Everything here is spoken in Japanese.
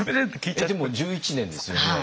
えっでも１１年ですよね。